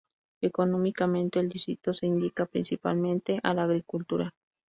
Económicamente el distrito se dedica principalmente a la agricultura.